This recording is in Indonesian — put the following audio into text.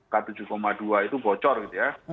k tujuh dua itu bocor gitu ya